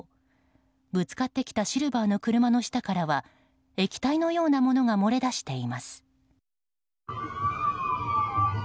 ぶつかってきたシルバーの車の下からは液体のようなものが漏れ出しています。